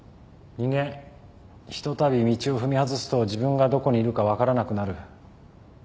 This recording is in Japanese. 人間ひとたび道を踏み外すと自分がどこにいるか分からなくなる。